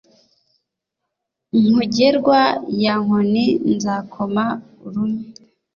nkungerwa ya nkoni nzakoma urume